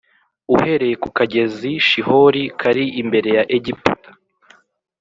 uhereye ku kagezi Shihori kari imbere ya Egiputa